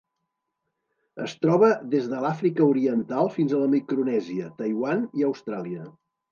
Es troba des de l'Àfrica Oriental fins a la Micronèsia, Taiwan i Austràlia.